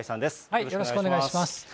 よろしくお願いします。